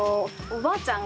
おばあちゃん